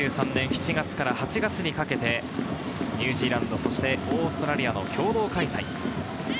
２０２３年７月から８月にかけて、ニュージーランド、そしてオーストラリアの共同開催。